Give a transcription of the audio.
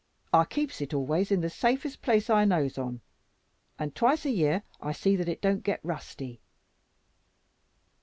I keeps it always in the safest place I knows on, and twice a year I see that it don't get rusty."